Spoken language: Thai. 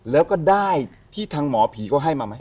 แล้วก็ได้ที่ทางหมอผีเขาให้มาไหม